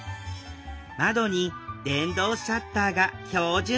窓に電動シャッターが標準装備！